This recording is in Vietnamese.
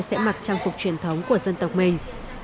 sẽ mặc trang phục truyền thống của dân tộc mình